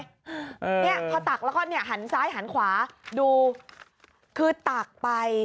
เนี่ยพอตักแล้วก็เนี่ยหันซ้ายหันขวาดูคือตักไป